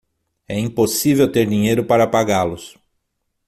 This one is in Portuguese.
É impossível ter dinheiro para pagá-los